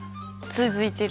続いてる。